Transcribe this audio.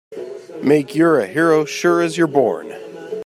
Make you're a hero sure as you're born!